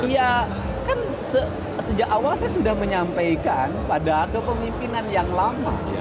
ya kan sejak awal saya sudah menyampaikan pada kepemimpinan yang lama